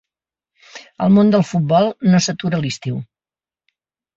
El món del futbol no s’atura a l’estiu.